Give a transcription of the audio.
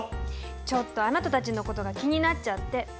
ちょっとあなたたちのことが気になっちゃって。